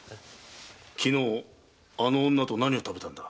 昨日あの女と何を食べたのだ？